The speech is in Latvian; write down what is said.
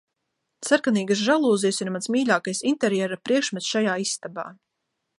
Sarkanīgas žalūzijas ir mans mīļākais interjera priekšmets šajā istabā